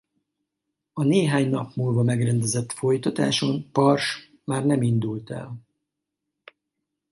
A néhány nap múlva megrendezett folytatáson Pars már nem indult el.